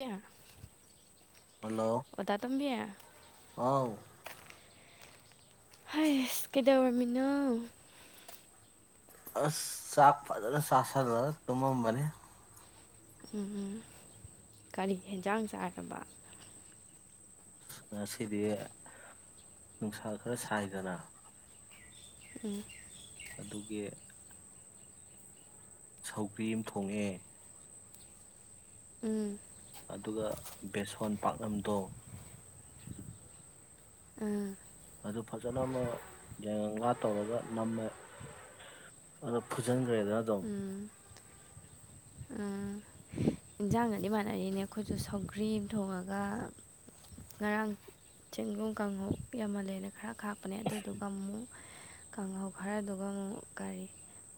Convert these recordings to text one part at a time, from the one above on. ꯀ ꯍꯜꯂꯣ ꯍꯥꯎ ꯍꯥꯏ ꯑꯁ ꯀꯩꯗꯧꯔꯃꯤꯅꯣ ꯑꯁ ꯆꯥꯛ ꯄ ꯆꯁ ꯇꯃ ꯃꯅꯤ ꯎꯝ ꯀꯔꯤ ꯌꯦꯦꯟꯖꯥꯡ ꯆꯥꯔꯕ ꯉꯁꯤꯗꯤ ꯅꯨꯡꯁꯥ ꯈꯔ ꯁꯥꯏꯗꯅ ꯎꯝ ꯑꯗꯨꯒꯤ ꯁꯧꯒ꯭ꯔꯤ ꯑꯃ ꯊꯣꯡꯉꯑꯦ ꯎꯝ ꯑꯗꯨꯒ ꯕꯦꯁꯣꯟ ꯄꯥꯛꯅꯝꯗꯣ ꯎꯝ ꯑꯗꯨ ꯐꯖꯅ ꯑꯃ ꯉꯥ ꯇꯧꯔꯒ ꯅꯝꯃꯦ ꯑꯗ ꯐꯨꯖꯤꯟ ꯔꯦꯗꯅ ꯇꯣ ꯎꯝ ꯏꯟꯁꯥꯡꯒꯅꯤ ꯃꯥꯟꯅꯔꯤꯅꯦ ꯑꯩꯈꯣꯏꯁꯨ ꯁꯧꯒ꯭ꯔꯤ ꯑꯃ ꯊꯣꯡꯉꯒ ꯉꯔꯥꯡ ꯆꯦꯡꯒꯨꯝ ꯀꯥꯡꯉꯨꯞ ꯌꯥꯝꯃꯜꯂꯦꯅ ꯈꯔ ꯀꯥꯞꯄꯅꯦ ꯑꯗꯨꯗꯨꯒ ꯑꯃꯨꯛ ꯀꯥꯡꯍꯧ ꯈꯔꯗꯨꯒ ꯑꯃꯨꯛ ꯀꯔꯤ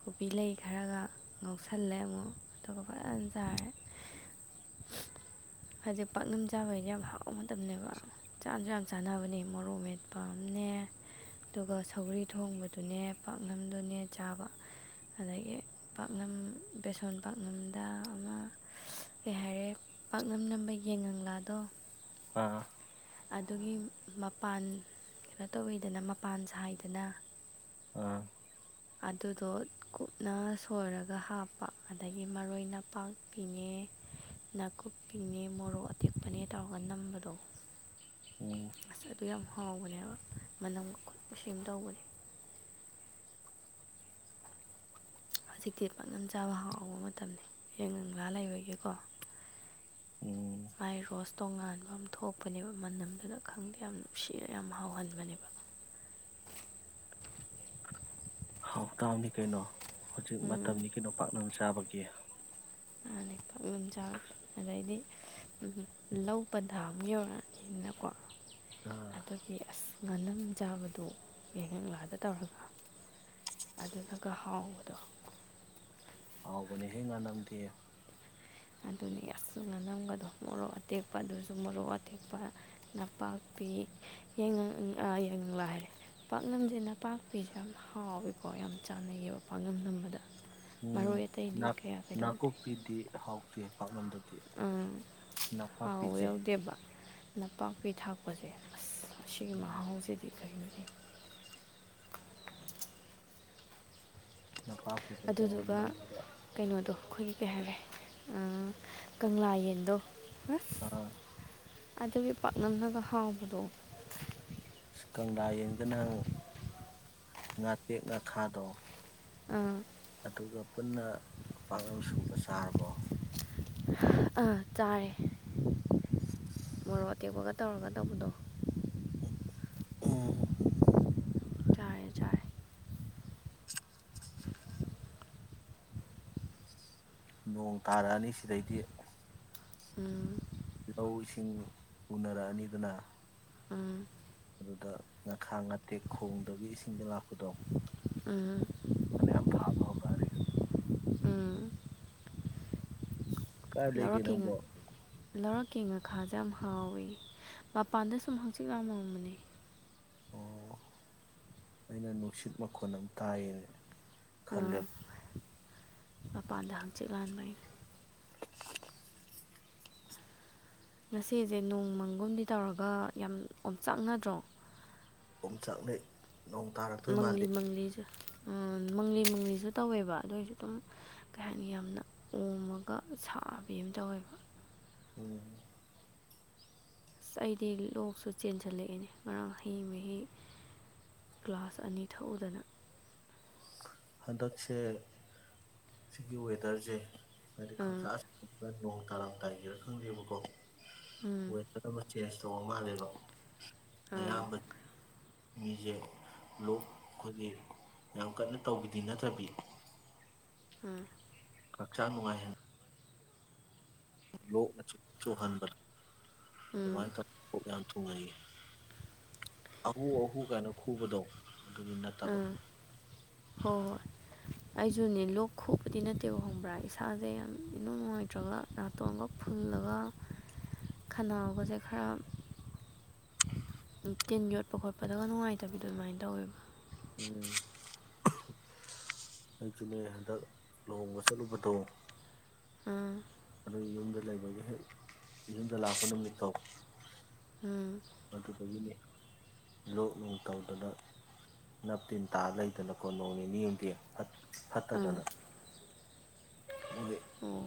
ꯀꯣꯕꯤ ꯂꯩ ꯈꯔꯒ ꯉꯧꯁꯜꯂꯦ ꯑꯃꯨꯛ ꯑꯗꯨꯒ ꯐꯖꯅ ꯆꯥꯔꯦ ꯍꯧꯖꯤꯛ ꯄꯥꯛꯅꯝ ꯆꯥꯕꯗꯤꯦ ꯌꯥꯝ ꯍꯥꯎ ꯅꯦꯕ ꯆꯥꯁꯨ ꯆꯥꯅꯕꯅꯤ ꯃꯣꯔꯣꯛ ꯃꯦꯠꯄ ꯑ ꯑꯃꯅꯦ ꯑꯗꯨꯒ ꯁꯧꯒꯔꯤ ꯊꯣꯡꯕꯗꯨꯅꯦ ꯄꯥꯛꯅꯝꯗꯨꯅꯦ ꯆꯥꯕ ꯑꯗꯒꯤ ꯄꯥꯛꯅꯝ ꯕꯦꯁꯣꯟ ꯄꯥꯛꯅꯝꯗ ꯑꯃ ꯀꯩ ꯍꯥꯏꯔꯦ ꯄꯥꯛꯅꯝ ꯅꯝꯕ ꯌꯦꯡꯉꯥꯗꯣ ꯑꯥ ꯑꯗꯨꯒꯤ ꯃꯄꯥꯟ ꯀꯩꯅꯣ ꯇꯧꯋꯤꯗꯅ ꯃꯄꯥꯟ ꯁꯥꯏꯗꯅ ꯑꯥ ꯑꯗꯨꯗꯣ ꯀꯨꯞꯅ ꯁꯣꯏꯔꯒ ꯍꯥꯞꯄ ꯑꯗꯒꯤ ꯃꯔꯣꯏ ꯅꯄꯥꯛꯄꯤꯤꯅꯦ ꯀꯨꯞꯄꯤꯤꯅꯦ ꯃꯣꯔꯣꯛ ꯑꯇꯦꯛꯄꯅꯦ ꯇꯧꯔꯒ ꯅꯝꯕꯗꯣ ꯎꯝ ꯑꯗꯨꯨ ꯌꯥꯝ ꯍꯥꯎꯕꯅꯦꯕ ꯃꯅꯝ ꯈꯨꯠ ꯁꯦꯝ ꯌꯥꯝ ꯇꯧꯕꯅꯦ ꯍꯧꯖꯤꯛꯇꯤ ꯄꯥꯛꯅꯝ ꯆꯥꯕ ꯍꯥꯎꯕ ꯃꯇꯝꯅꯤ ꯌꯦꯡ ꯉꯕ ꯂꯩꯔꯒꯦꯀꯣ ꯎꯝ ꯑꯥꯏ ꯔꯣꯁ ꯇꯣꯉꯥꯟꯕ ꯑꯃ ꯊꯣꯛꯄꯅꯦꯕ ꯃꯅꯝꯗꯨꯗ ꯈꯪꯗꯦ ꯌꯥꯝ ꯅꯨꯡꯁꯤꯅ ꯌꯥꯝ ꯍꯥꯎꯍꯟꯕꯅꯦꯕ ꯍꯥꯎ ꯇꯕꯅꯤ ꯀꯩꯅꯣ ꯍꯧꯖꯤꯛ ꯃꯇꯝꯗꯤ ꯀꯩꯅꯣꯝꯄꯥꯛꯥꯛꯅ ꯆꯥꯕꯒꯤ ꯑꯣꯀꯤ ꯐꯛꯅꯖꯥ ꯑꯗꯩꯗꯤ ꯂꯧ ꯄꯟꯊꯥ ꯑꯃ ꯌꯧꯔꯛꯑꯅꯤꯅꯀꯣ ꯑꯥ ꯑꯗꯨꯒꯤ ꯑꯁ ꯉꯥꯅ ꯆꯥꯕꯗꯨ ꯌꯦꯡꯉꯛꯂꯗ ꯇꯧꯔꯒ ꯑꯗꯨꯒ ꯍꯥꯎꯕꯗꯣ ꯑꯩ ꯉꯥꯟꯅꯝꯗꯦ ꯑꯗꯨꯅ ꯌꯥꯛꯁꯨ ꯉꯅꯝꯒꯗꯣ ꯃꯣꯔꯣꯛ ꯑꯇꯦꯛꯄ ꯑꯗꯨꯁꯨ ꯃꯣꯔꯣꯛ ꯑꯇꯦꯛꯄ ꯅꯄꯥꯛꯄꯤ ꯌꯥꯏꯉꯥ ꯍꯥꯏꯔꯦ ꯄꯥꯛꯅꯝꯁꯦ ꯅꯄꯥꯛꯄꯤꯁꯦ ꯌꯥꯝ ꯍꯥꯎꯋꯦꯀꯣ ꯌꯥꯝ ꯆꯥꯟꯅꯩꯌꯦꯕ ꯄꯥꯛꯅꯝ ꯅꯝꯕꯗ ꯃꯔꯣꯏ ꯎꯝꯅꯥ ꯑꯇꯩꯗꯤ ꯀꯌꯥ ꯅꯥꯀꯨꯞꯄꯤꯗꯤꯗꯤ ꯍꯥꯎꯇꯦ ꯄꯥꯛꯂꯝꯗꯕ ꯎꯝ ꯍꯥꯎ ꯌꯥꯎꯗꯦꯕ ꯅꯄꯥꯛꯄꯤ ꯊꯥꯛꯄꯁꯦ ꯑꯁ ꯑꯁꯤꯒꯤ ꯎꯝ ꯃꯍꯥꯎꯁꯤꯗꯤ ꯀꯔꯤꯅꯤ ꯅꯄꯥꯛꯄꯤꯗ ꯇꯧꯔ ꯑꯗꯨꯗꯨꯒ ꯅꯝꯃꯒ ꯀꯩꯅꯣꯗꯣ ꯑꯩꯈꯣꯏꯒꯤ ꯀꯩ ꯍꯥꯏꯔꯦ ꯀꯪꯂꯥ ꯌꯦꯟꯗꯣ ꯑꯁ ꯑ ꯑꯗꯨꯒꯤ ꯄꯥꯛꯅꯝꯅꯒ ꯍꯥꯎꯕꯗꯣ ꯀꯪꯂꯥ ꯌꯦꯟꯗꯅ ꯉꯥꯇꯦꯛꯅ ꯈꯥꯗꯧ ꯑ ꯑꯗꯨꯒ ꯄꯨꯟꯅ ꯄꯥꯡꯒꯪ ꯁꯨꯕ ꯆꯥꯔꯕꯣ ꯑꯥ ꯆꯥꯔꯦ ꯃꯣꯔꯣꯛ ꯑꯇꯦꯛꯄꯒ ꯇꯧꯔꯒ ꯇꯧꯕꯗꯣ ꯎꯝ ꯆꯥꯔꯦ ꯆꯔꯦ ꯅꯣꯡ ꯇꯥꯔꯛꯑꯅꯤ ꯁꯤꯗꯩꯗꯤ ꯎꯝ ꯂꯧ ꯏꯁꯤꯡ ꯎꯅꯔꯛꯑꯅꯤꯗꯨꯅ ꯎꯝ ꯑꯗꯨꯗ ꯉꯈꯥꯡ ꯉꯥꯇꯦꯛ ꯈꯣꯡꯗꯒꯤ ꯏꯁꯤꯡꯗ ꯂꯥꯛꯄꯗꯣ ꯑ ꯑ ꯌꯥꯝ ꯐꯥꯕ ꯍꯧꯒꯔꯦ ꯎꯝ ꯀꯥꯔ ꯂ ꯂꯩ ꯀꯦ ꯂꯧꯔꯛꯀꯤ ꯅꯝꯕꯣ ꯂꯧꯔꯛꯀꯤ ꯉꯈꯥꯁꯦ ꯌꯥꯝ ꯍꯥꯎꯋꯤ ꯃꯄꯥꯟꯗ ꯁꯨꯝ ꯍꯪꯆꯤꯛ ꯌꯥꯝ ꯋꯥꯝꯕꯅꯤ ꯑꯣ ꯑꯩꯅ ꯅꯨꯡꯁꯤꯠ ꯃꯈꯣꯟꯜ ꯑꯃ ꯇꯥꯏꯌꯦꯅꯦ ꯑ ꯃꯄꯥꯟꯗ ꯍꯥꯡꯆꯤꯠ ꯂꯟꯕꯩ ꯉꯁꯤꯁꯦ ꯅꯣꯡꯃꯪꯒꯨꯝꯗꯤ ꯇꯧꯔꯒ ꯌꯥꯝ ꯑꯣꯝꯆꯥꯛꯅꯗ꯭ꯔꯣ ꯄꯝꯆꯥꯛꯅꯤꯩ ꯃꯪꯂꯤ ꯃꯂꯤ ꯎ ꯃꯪꯂꯤ ꯁꯨ ꯇꯧꯋꯦꯕ ꯑꯗꯨ ꯑꯣꯏꯏꯁꯨ ꯑꯗꯨꯝ ꯀꯩ ꯍꯥꯏꯅꯤ ꯌꯥꯝꯅ ꯑꯣꯝꯃꯒ ꯁꯥꯕꯤ ꯑꯃ ꯇꯧꯋꯦꯕ ꯎꯝ ꯑꯁ ꯑꯩꯗꯤ ꯂꯣꯛꯁꯨ ꯆꯦꯟꯁꯤꯜꯂꯛꯑꯦꯅꯦ ꯉꯔꯥꯡ ꯍꯩꯤ ꯃꯍꯤ ꯒ꯭ꯂꯥꯁ ꯑꯅꯤ ꯊꯛꯎꯗꯅ ꯍꯟꯗꯛꯁꯦ ꯁꯤꯒꯤ ꯋꯦꯗꯔꯁꯦ ꯃ ꯑꯥ ꯈ [unintelligible] ꯇꯔꯥꯝ ꯇꯥꯏꯒꯦꯔ ꯈꯪꯗꯦꯕꯀꯣ ꯎꯝ ꯍꯁ ꯇ ꯃꯔ ꯆꯁ ꯇꯣꯡ ꯃꯥꯜꯂꯦꯕ ꯑꯥ ꯑꯌꯥꯝ ꯃꯤꯁꯦ ꯂꯣꯛ ꯑꯩꯈꯣꯏꯒꯤ ꯌꯥꯝ ꯀꯟꯅ ꯇꯧꯕꯤꯗꯤ ꯅꯠꯇ꯭ꯔꯕꯤ ꯑꯝ ꯄꯁꯥꯅꯨꯡ ꯍꯥꯏ ꯂꯣ ꯅꯆꯆꯣꯍꯟꯕ ꯑꯗꯨ ꯎꯝ ꯃꯥꯥꯏ ꯑꯍꯨ ꯑꯍꯨ ꯀꯥꯏꯅ ꯈꯨꯕꯗꯣ ꯑꯗꯨꯒꯤ ꯅꯠꯇꯕ ꯑꯥ ꯍꯣꯏ ꯍꯣꯏ ꯑꯩꯁꯨꯅꯦ ꯂꯣꯛ ꯈꯨꯣꯛꯄꯗꯤ ꯅꯠꯇꯦꯕ ꯈꯪꯕ꯭ꯔꯥ ꯏꯁꯥꯁꯦ ꯌꯥꯝ ꯏꯅꯅꯨꯡ ꯅꯨꯡꯉꯥꯏꯇ꯭ꯔꯒ ꯅꯥꯥꯇꯣꯡꯒ ꯐꯨꯜꯂꯒ ꯈꯟꯅꯒꯁꯦ ꯈꯔ ꯇꯤꯟ ꯌꯣꯠꯄ ꯈꯣꯠꯄꯗꯒ ꯅꯨꯡꯉꯥꯏꯇꯕꯤꯗꯣ ꯑꯗꯨꯃꯥꯏꯅ ꯇꯧꯋꯦꯕ ꯎꯝ ꯑꯩ ꯆꯅꯦ ꯍꯟꯗꯛ ꯂꯨꯍꯣꯡꯕ ꯆꯠꯂꯨꯕꯗꯣ ꯑ ꯑꯗꯨ ꯌꯨꯝꯗ ꯂꯩꯕꯒꯤ ꯍꯦꯛ ꯌꯨꯝꯗ ꯂꯥꯛꯄ ꯅꯨꯃꯤꯠꯠꯇꯊꯧ ꯎꯝ ꯑꯗꯨꯗꯒꯤꯅꯤ ꯂꯣꯛ ꯅꯨꯡ ꯇꯧꯗꯅ ꯅꯞ ꯇꯤꯟ ꯇꯥ ꯂꯩꯗꯅꯀꯣ ꯅꯣꯡ ꯅꯤꯅꯤ ꯍꯗꯤꯡ ꯑꯥ ꯐꯠꯇꯖꯅ ꯑꯣ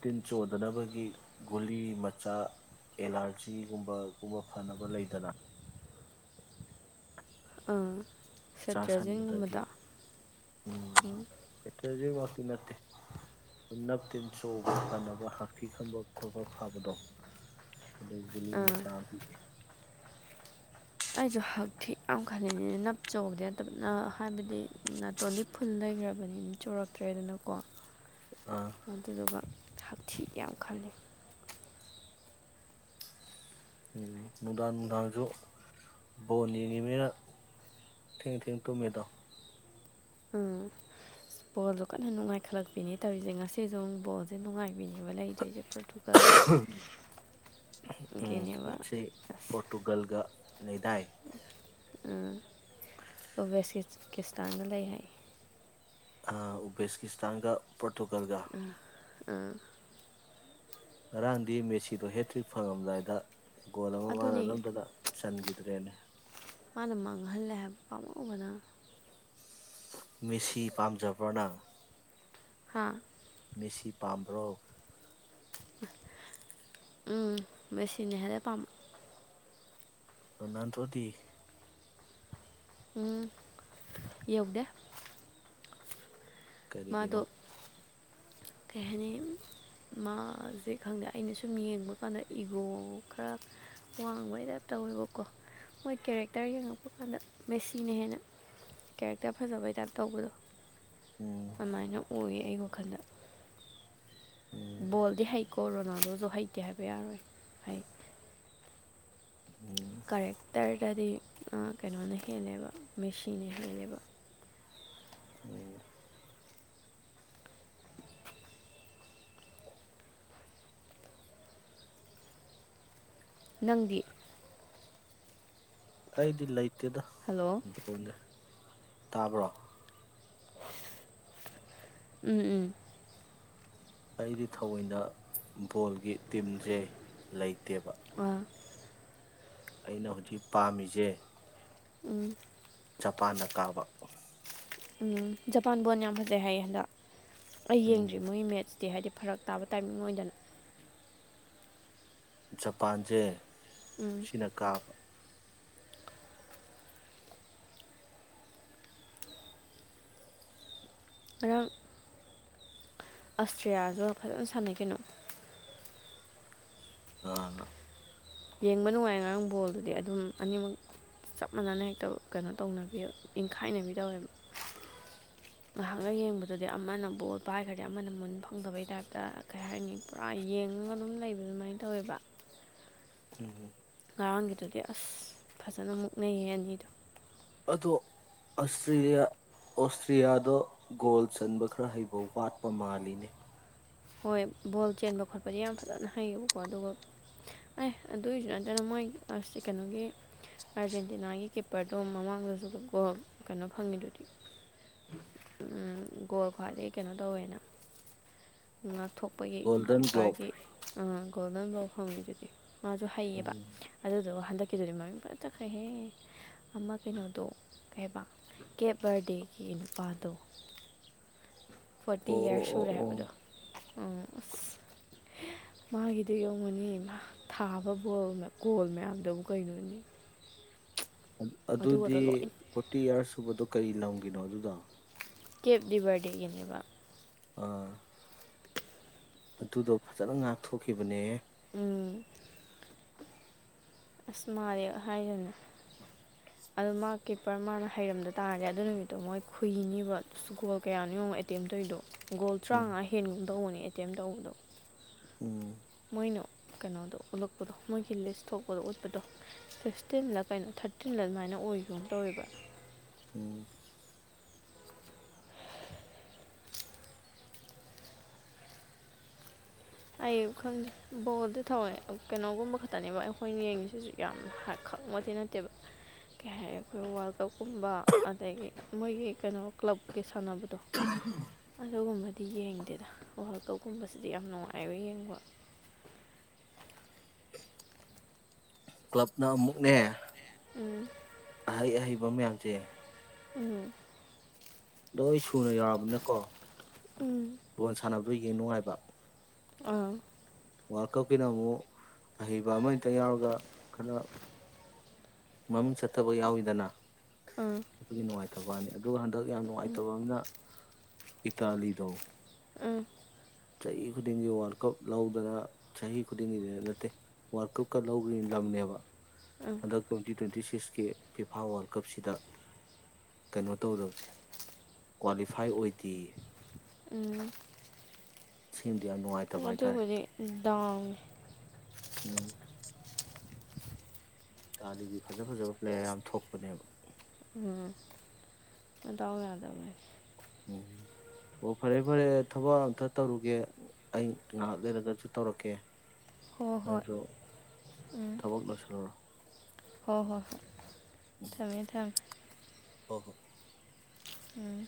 ꯄ꯭ꯔꯣꯇꯤꯟ ꯆꯣꯟꯗꯅꯕꯒꯤ ꯒꯨꯂꯤ ꯃꯆꯥ ꯑꯦꯂꯔꯖꯤꯒꯨꯝꯕꯒꯨꯝꯕ ꯐꯅꯕ ꯂꯩꯗꯅ ꯑꯥ ꯆ ꯁꯟꯕꯗꯒꯤ ꯁꯦꯇ꯭ꯔꯦꯖꯤꯟꯒꯨꯝꯕꯗꯣ ꯎꯝ ꯍꯧꯖꯤꯛꯃꯛꯇꯤ ꯅꯠꯇꯦ ꯑꯗꯨ ꯅꯞ ꯇꯤꯟ ꯆꯕ ꯐꯅꯕ ꯍꯛꯊꯤ ꯈꯪꯕ ꯈꯣꯠꯄ ꯐꯕꯗꯣ ꯒꯂꯤ ꯑꯥ ꯃꯁꯥ ꯄꯤ ꯑꯩꯁꯨ ꯍꯛꯊꯤ ꯌꯥꯝ ꯈꯜꯂꯤꯅꯤꯅ ꯅꯞ ꯆꯨꯕꯗꯤ ꯅꯠꯇꯕ ꯍꯥꯏꯕꯗꯤ ꯅꯥꯇꯣꯟꯗꯤ ꯐꯨꯜ ꯂꯩꯈ꯭ꯔꯕꯅꯤ ꯑꯗꯨ ꯆꯨꯔꯛꯇ꯭ꯔꯦꯗꯅꯀꯣ ꯑꯥ ꯑꯗꯨꯗꯨ ꯁꯥꯛꯊꯤ ꯌꯥꯝ ꯈꯜꯂꯤ ꯎꯝ ꯅꯨꯡꯗꯥꯡ ꯅꯨꯡꯗꯥꯡꯁꯨ ꯕꯣꯟ ꯌꯦꯡꯉꯤꯅꯤꯅ ꯊꯦꯡ ꯊꯦꯡ ꯇꯨꯝꯃꯦꯗ ꯎꯝ ꯕꯣꯜꯗ ꯀꯟꯅ ꯅꯨꯡꯉꯥꯏꯈꯠꯂꯛꯄꯤꯅꯤ ꯇꯧꯔꯤꯁꯦ ꯉꯁꯤꯁꯨꯨ ꯕꯣꯜꯁꯦ ꯅꯨꯡꯉꯥꯏꯕꯤꯈꯤꯕ ꯂꯩꯗꯣꯏꯔꯤꯁꯦ꯭ꯔ ꯎꯝ ꯃꯁꯤ ꯄꯣꯔꯇꯨꯒꯜꯒ ꯂꯩꯗꯥꯏ ꯑꯣ ꯦꯁꯀꯤ ꯀꯤꯁꯇꯥꯟꯗ ꯂꯩ ꯍꯥꯏ ꯑ ꯎꯕꯦꯁꯀꯤꯁꯇꯥꯟ ꯀ ꯑ ꯉꯔꯥꯡꯗꯤ ꯃꯦꯁꯤꯗꯣ ꯍꯦꯛꯇ꯭ꯔꯤ ꯐꯪꯉꯝꯗꯥꯏꯗ ꯒꯣꯜ ꯑꯃ ꯑꯗꯨꯅꯦ ꯃꯥꯟꯅꯅꯕꯗꯅ ꯆꯟꯈꯤꯗ ꯗ꯭ꯔꯦꯟ ꯃꯥꯅ ꯃꯥꯡꯍꯜꯂꯦ ꯍꯥꯏꯕ ꯄꯥꯝꯃꯕꯅ ꯃꯦꯁꯤ ꯄꯥꯝꯖꯕ꯭ꯔꯅ ꯍꯥꯥ ꯃꯤꯁꯤ ꯄꯥꯝꯕ꯭ꯔꯣ ꯎꯝ ꯃꯦꯁꯤꯅꯦꯍꯦꯂ ꯄꯝ ꯑꯣ ꯅꯟꯊꯇ ꯎꯝ ꯌꯧꯐꯗ ꯀꯔꯤꯒꯤꯅꯣ ꯀꯩ ꯍꯥꯏꯅꯤ ꯃꯥꯁꯦ ꯈꯪꯗꯦ ꯑꯩꯅ ꯁꯨꯝ ꯌꯦꯡꯕ ꯀꯥꯟꯗ ꯏꯒꯣ ꯈꯔ ꯋꯥꯡꯕꯩ ꯇꯥꯏꯞ ꯇꯧꯋꯦꯕꯀꯣ ꯃꯣꯏ ꯀꯦꯔꯦꯛꯇꯔ ꯌꯦꯡꯉꯛꯄ ꯀꯥꯟꯗ ꯃꯦꯁꯤꯅ ꯍꯦꯟꯅ ꯀꯦꯔꯦꯛꯇꯔ ꯐꯖꯕꯩ ꯇꯥꯏꯞ ꯇꯧꯕꯗꯣ ꯎꯝ ꯑꯗꯨꯃꯥꯏꯅ ꯑꯣꯏꯌꯦ ꯑꯩꯒ ꯈꯜꯂ ꯎꯝ ꯕꯣꯜꯗꯤ ꯍꯩꯀꯣ ꯔꯣꯅꯥꯜꯗꯣꯁꯨ ꯍꯩꯇꯦ ꯍꯥꯏꯕ ꯌꯥꯔꯣꯏ ꯍꯩ ꯎꯝ ꯀꯔꯦꯛꯇꯔꯗꯗꯤ ꯀꯩꯅꯣꯅ ꯍꯦꯜꯂꯦꯕ ꯃꯦꯁꯤꯟꯅ ꯍꯦꯜꯂꯦꯕ ꯎꯝ ꯅꯪꯗꯤ ꯑꯩꯗꯤ ꯂꯩ ꯠꯇꯗꯣ ꯍꯜꯂꯣ ꯑꯗꯨꯇꯀꯗ ꯇꯥꯕ꯭ꯔꯣ ꯎꯝ ꯎꯝ ꯑꯩꯗꯤ ꯊꯑꯣꯏꯅ ꯕꯣꯜꯒꯤ ꯇꯤꯝꯁꯦ ꯂꯩꯇꯦꯕ ꯑ ꯑꯩꯅ ꯍꯧꯖꯤꯛ ꯄꯥꯝꯃꯤꯁꯦ ꯎꯝ ꯖꯄꯥꯟꯅ ꯀꯥꯕ ꯎꯝ ꯖꯄꯥꯟ ꯕꯣꯟ ꯌꯥꯝ ꯐꯖꯩ ꯍꯥꯏꯌꯦ ꯍꯟꯗꯛ ꯑꯩ ꯎꯝ ꯌꯦꯡꯗ꯭ꯔꯤ ꯃꯣꯏꯒꯤ ꯃꯦꯠꯁ ꯇꯤ ꯍꯥꯏꯗꯤ ꯐꯔꯛ ꯇꯥꯕ ꯇꯥꯏꯃꯤꯡ ꯑꯣꯏꯗꯅ ꯖꯄꯥꯟꯁꯦ ꯎꯝ ꯁꯤꯅ ꯀꯥꯕ ꯉꯔꯡ ꯑꯁꯇ꯭ꯔꯤꯌꯥꯁꯨ ꯐꯖꯅ ꯁꯥꯟꯅꯩ ꯀꯩꯅꯣ ꯑꯥ ꯌꯦꯡꯕ ꯅꯨꯡꯉꯥꯏ ꯉꯔꯥꯡ ꯕꯣꯜꯗꯨꯗꯤ ꯑꯗꯨꯝ ꯑꯅꯤꯃꯛ ꯆꯞ ꯃꯥꯟꯅꯅ ꯍꯦꯛꯇ ꯀꯩꯅꯣ ꯇꯧꯅꯕꯤ ꯏꯪꯈꯥꯏꯅꯕꯤ ꯇꯧꯋꯦꯕ ꯉꯥꯏꯍꯥꯛꯅ ꯌꯦꯡꯕꯗꯨꯗꯤ ꯑꯃꯅ ꯕꯣꯠ ꯄꯥꯏꯈ꯭ꯔꯗꯤ ꯑꯃꯅ ꯃꯨꯟ ꯐꯪꯗꯕꯩ ꯇꯥꯏꯞꯇ ꯀꯩ ꯍꯥꯏꯅꯤ ꯄꯨꯔꯥ ꯌꯦꯡꯉꯒ ꯑꯗꯨꯝ ꯂꯩꯕ ꯑꯗꯨꯃꯥꯏꯅ ꯇꯧꯋꯦꯕ ꯎꯝ ꯑꯉꯥꯡꯒꯤꯗꯨꯗꯤ ꯑꯁ ꯐꯖꯅ ꯃꯨꯛꯅꯩꯌꯦ ꯑꯅꯤꯗꯣ ꯑꯗꯣ ꯑꯣꯁꯇ꯭ꯔꯤꯌꯥꯗ ꯒꯣꯜ ꯆꯟꯕ ꯈꯔ ꯍꯩꯕ ꯋꯥꯠꯄ ꯃꯥꯜꯂꯤꯅꯤ ꯍꯣꯏ ꯕꯣꯜ ꯆꯦꯟꯕ ꯈꯣꯠꯄꯗꯤ ꯌꯥꯝ ꯐꯖꯅ ꯍꯩꯌꯦꯕꯀꯣ ꯑꯗꯨꯒ ꯑꯦ ꯑꯗꯨꯒꯤꯁꯨ ꯅꯠꯇꯅ ꯃꯣꯏ ꯀꯩꯅꯣꯒꯤ ꯑꯥꯔꯖꯦꯟꯇꯤꯅꯥꯒꯤ ꯀꯤꯞꯄꯔꯗꯣ ꯃꯃꯥꯡꯗꯁꯨ ꯒꯣꯜ ꯀꯩꯅꯣ ꯐꯪꯉꯤꯗꯨꯗꯤ ꯒꯣꯜ ꯈ꯭ꯋꯥꯏꯗꯗꯒꯤ ꯀꯩꯅꯣ ꯇꯧꯋꯦꯅ ꯉ ꯊꯣꯛ ꯊꯣꯛ ꯑꯩꯈꯣꯏꯒꯤ ꯒꯣꯜꯗꯟ ꯒ꯭ꯂꯣꯞ ꯀꯤꯞꯄꯔꯒꯤ ꯒꯣꯜ ꯅꯪꯐꯥꯎ ꯐꯪꯉꯗꯨꯗꯤ ꯃꯥꯁꯨ ꯍꯩꯌꯦꯕ ꯎꯝ ꯑꯗꯨꯗꯣ ꯍꯟꯗꯛ ꯀꯤꯗꯨꯗꯤ ꯃꯃꯤꯡ ꯐꯖ ꯇꯈꯩꯍꯦ ꯑꯃ ꯀꯩꯅꯣꯗꯣ ꯀꯩ ꯍꯥꯏꯕ ꯀꯦꯞ ꯕꯥꯔꯗꯦꯒꯤ ꯅꯨꯄꯥꯗꯣ ꯐꯣꯔꯇꯤ ꯑꯣ ꯌꯔꯁ ꯑꯣ ꯁꯨꯔꯦ ꯑꯣ ꯍꯥꯏꯕꯗꯣ ꯑ ꯑꯁ ꯃꯥꯒꯤꯗꯣ ꯌꯧꯉꯅꯤ ꯊꯥꯕ ꯕꯣꯜ ꯀꯣꯜ ꯃꯌꯥꯝꯗꯕꯨ ꯀꯩꯅꯣꯅꯤ ꯑꯗꯨꯗꯤ ꯐꯣꯔꯇꯤ ꯏꯔꯁ ꯁꯨꯕꯗꯣ ꯀꯔꯤ ꯂꯝꯒꯤꯅꯣ ꯑꯗꯨꯗ ꯀꯦꯞꯗꯤ ꯕꯥꯔꯗꯦꯒꯤꯅꯦꯕ ꯑꯥ ꯑꯗꯨꯗꯣ ꯐꯖꯅ ꯉꯥꯛꯊꯣꯛꯈꯤꯕꯅꯦ ꯎꯝ ꯑꯁ ꯃꯥꯗꯤ ꯍꯥꯏꯔꯅꯦ ꯑꯗ ꯃꯥ ꯀꯤꯞꯄꯔ ꯃꯥꯅ ꯍꯩꯔꯝꯗ ꯇꯥꯔꯗꯤ ꯑꯗꯨ ꯅꯨꯃꯤꯠꯇꯣ ꯃꯣꯏ ꯈꯨꯨꯏꯅꯤꯕ ꯑꯗꯨꯁꯨ ꯒꯣꯜ ꯀꯌꯥ ꯌꯦꯡꯣ ꯑꯦꯇꯦꯝ ꯇꯧꯔꯤꯗꯣ ꯒꯣꯜ ꯎꯝ ꯇꯔꯥꯃꯉꯥ ꯍꯦꯟꯒꯨꯝ ꯇꯧꯕꯅꯦ ꯑꯩ ꯑꯦꯇꯦꯝ ꯇꯧꯕꯗꯣ ꯎꯝ ꯃꯣꯏꯅꯣ ꯀꯩꯅꯣꯗꯣ ꯎꯠꯂꯛꯄꯗꯣ ꯃꯣꯏꯒꯤ ꯂꯤꯁꯇꯣ ꯗ ꯎꯠꯄꯗꯣ ꯐꯤꯁꯇꯤꯟꯗ ꯀꯩꯅꯣ ꯊꯥꯔꯇꯤꯟꯗ ꯑꯗꯨꯃꯥꯏꯅ ꯑꯣꯏꯈꯤꯕꯅ ꯇꯧꯋꯦꯕ ꯍ ꯑꯩ ꯈꯪꯗꯦ ꯕꯣꯜꯗꯤ ꯊꯧꯋꯦ ꯀꯩꯅꯣꯒꯨꯝꯕ ꯈꯛꯇꯅꯦꯕ ꯑꯩꯈꯣꯏꯅ ꯌꯦꯡꯉꯤꯁꯤꯁꯨ ꯌꯥꯝ ꯈꯪꯕꯗꯤ ꯅꯠꯇꯦꯕ ꯀꯩ ꯍꯥꯏ ꯑꯩꯈꯣꯏ ꯋꯥꯔꯜ ꯀꯞꯀꯨꯝꯕ ꯑꯗꯒꯤ ꯃꯣꯏꯒꯤ ꯀꯩꯅꯣ ꯀ꯭ꯂꯕꯀꯤ ꯁꯥꯟꯅꯕꯗꯣ ꯑꯗꯨꯒꯨꯝꯕꯗꯤ ꯌꯦꯡꯗꯦꯗ ꯋꯥꯔꯜ ꯀꯞꯀꯨꯝꯕꯁꯤꯗꯤ ꯌꯥꯝ ꯅꯨꯡꯉꯥꯏ ꯍꯥꯏꯕ ꯌꯦꯡꯕ ꯀ꯭ꯂꯕꯅ ꯑꯃꯨꯛꯅꯦ ꯑꯍꯩ ꯑꯍꯩꯕ ꯃꯌꯥꯝꯁꯦ ꯎꯝ ꯂꯣꯏꯁꯨ ꯊꯨꯅ ꯌꯥꯎꯔꯕꯅꯀꯣ ꯣꯜ ꯁꯥꯟꯅꯕ ꯑꯗꯨ ꯌꯦꯡ ꯅꯨꯡꯉꯥꯏꯕ ꯑꯥ ꯋꯥꯔꯜ ꯀꯞꯀꯤꯅ ꯑꯃꯨꯛ ꯑꯍꯩꯕ ꯑꯃꯛꯇ ꯌꯥꯎꯔꯒ ꯈꯔ ꯃꯃꯤꯡ ꯆꯠꯠꯇꯕ ꯌꯥꯎꯋꯤꯗꯅ ꯒꯤꯅꯅꯨꯡꯉ ꯅꯤ ꯑꯗꯨꯒ ꯍꯟꯗꯛ ꯌꯥꯝ ꯅꯨꯡꯉꯥꯏꯇꯕ ꯑꯃꯅ ꯏꯇꯥꯂꯤꯗ ꯎꯝ ꯆꯍꯤ ꯈꯨꯗꯤꯡꯒꯤ ꯋꯥꯔꯜ ꯀꯞ ꯂꯧꯗꯅ ꯆꯍꯤ ꯈꯨꯗꯤꯡꯒꯤꯗ ꯅꯠꯇꯦ ꯋꯥꯔꯜ ꯀꯞꯀ ꯂꯧꯈ꯭ꯔꯤ ꯂꯝꯅꯦꯕ ꯑꯗ ꯀ꯭ꯋꯦꯟꯇ ꯇ꯭ꯋꯦꯟꯇ ꯇꯤꯁꯀꯤ ꯐꯤꯐꯥ ꯋꯥꯔꯜ ꯀꯞꯁꯤꯗ ꯀꯩꯅꯣ ꯇꯧꯗꯧꯁ ꯀ꯭ꯋꯥꯂꯤꯐꯥꯏ ꯑꯣꯏꯗꯦꯌꯦ ꯎꯝ ꯁꯤꯃꯗꯤ ꯌꯥꯝ ꯅꯨꯡꯉꯥꯏꯇꯕ ꯑꯣꯗ ꯍꯥꯏꯇꯥꯔꯦ ꯑꯣꯏꯗꯤꯦ ꯎꯝ ꯗꯣꯡ ꯎꯝ ꯀꯥꯟꯗꯒꯤ ꯐꯖ ꯐꯖꯕ ꯄ꯭ꯂꯦꯌꯥꯔ ꯌꯥꯝ ꯊꯣꯛꯄꯅꯦꯕ ꯎꯝ ꯑꯗꯧ ꯌꯥꯗꯥꯏ ꯎꯝ ꯑꯣ ꯐꯔꯦ ꯐꯔꯦ ꯊꯕꯛ ꯑꯝꯇ ꯇꯧꯔꯨꯒꯦ ꯑꯩ ꯉꯥꯏꯍꯥꯛ ꯂꯩꯔꯒꯁꯨ ꯇꯧꯔꯛꯀꯦ ꯅꯁꯨ ꯇꯕꯛ ꯂꯣꯏ ꯁꯂ ꯍꯣꯏ ꯍꯣꯏ ꯍꯣꯏ ꯊꯝꯃꯦ ꯊꯝꯃꯦ ꯍꯕꯨ ꯎꯝ